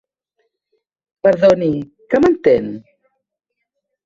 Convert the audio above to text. Perdoni, que mentén?